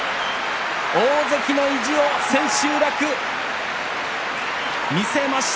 大関の意地を千秋楽見せました。